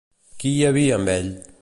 Qui hi havia amb ell?